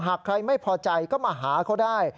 หากใครไม่พอใจก็มาหาเขาได้